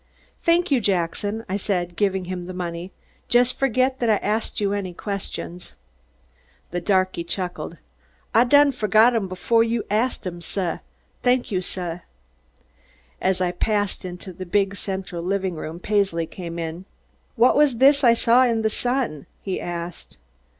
"Thank you, Jackson," I said, giving him the money. "Just forget that I asked you any questions!" The darky chuckled. "Ah done fohgot 'em befoh you evah asted 'em, suh. Thank you, suh!" As I passed into the big, central living room, Paisley came in. "What was this I saw in The Sun?" he asked.